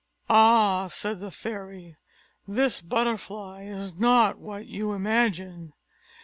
"Ah!" said the fairy, "this butterfly is not what you imagine.